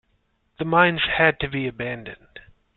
The mines had to be abandoned.